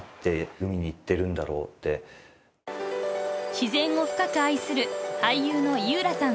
［自然を深く愛する俳優の井浦さん］